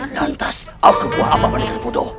dantas aku buah apa mendinger bodo